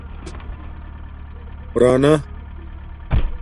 پُرانا